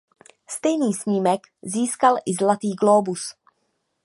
Stejný snímek získal i Zlatý globus.